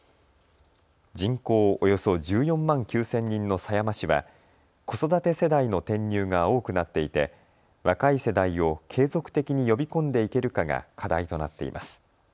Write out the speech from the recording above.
人口およそ１４万９０００人の狭山市は子育て世代の転入が多くなっていて若い世代を継続的に呼び込んでいけるかが課題となっています。